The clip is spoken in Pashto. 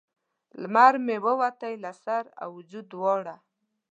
لمر مې ووتی له سر او وجود دواړه